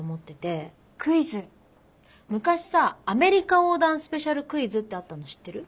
昔さアメリカ横断スペシャルクイズってあったの知ってる？